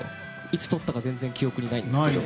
いつ撮ったか全然記憶がないんですけど。